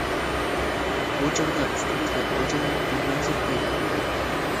بۇ چاغدا ئۈستىمىزدە ئاجايىپ بىر مەنزىرە پەيدا بولدى.